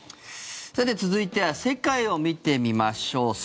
続いては世界を見てみましょう。